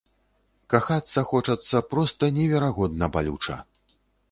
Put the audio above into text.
Кахацца хочацца, проста неверагодна балюча.